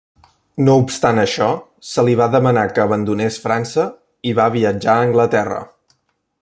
No obstant això, se li va demanar que abandonés França, i va viatjar a Anglaterra.